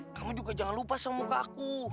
kamu juga jangan lupa sama muka aku